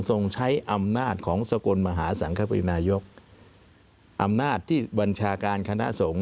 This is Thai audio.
ใช้อำนาจของสกลมหาสังคปรินายกอำนาจที่บัญชาการคณะสงฆ